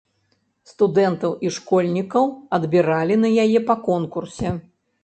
Студэнтаў і школьнікаў адбіралі на яе па конкурсе.